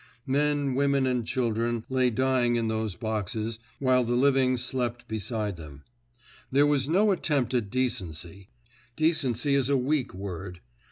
Men, women, and children lay dying in those boxes, while the living slept beside them. There was no attempt at decency. Decency is a weak word.